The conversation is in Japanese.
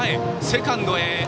セカンドへ！